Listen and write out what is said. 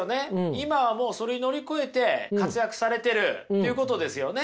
今はもうそれ乗り越えて活躍されてるっていうことですよね。